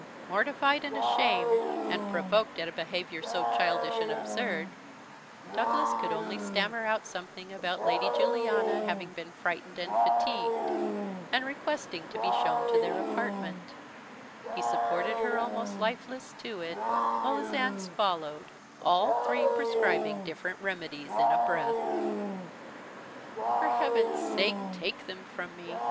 Mortified, ashamed, and provoked, at a behavior so childish and absurd, Douglas could only stammer out something about Lady Juliana having been frightened and fatigued; and, requesting to be shown to their apartment, he supported her almost lifeless to it, while his aunts followed, all three prescribing different remedies in a breath. "For heaven's sake, take them from me!"